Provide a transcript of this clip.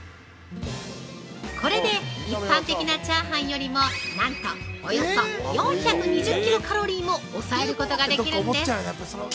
これで一般的なチャーハンよりもなんと、およそ４２０キロカロリーも抑えることができるんです！